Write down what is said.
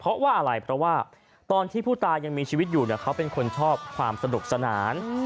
เพราะว่าอะไรเพราะว่าตอนที่ผู้ตายยังมีชีวิตอยู่เขาเป็นคนชอบความสนุกสนาน